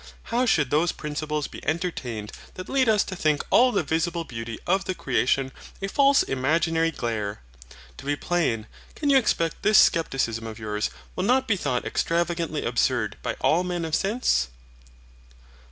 How should those Principles be entertained that lead us to think all the visible beauty of the creation a false imaginary glare? To be plain, can you expect this Scepticism of yours will not be thought extravagantly absurd by all men of sense?